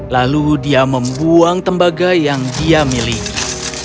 lalu dia membuang tembaga yang dia miliki